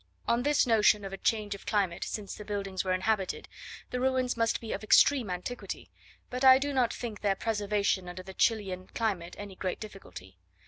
On this notion of a change of climate since the buildings were inhabited, the ruins must be of extreme antiquity, but I do not think their preservation under the Chilian climate any great difficulty.